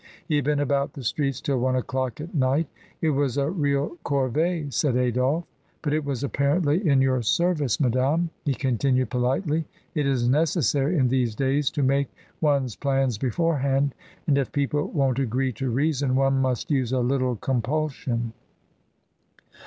He had been about the streets till one o'clock at night. "It was a real corvie^^ said Adolphe. "But it was apparently in your service, madame," he continued, politely. "It is necessary in these days to make one's plans beforehand, and if people won't agree to reason, one must use a little com pulsion."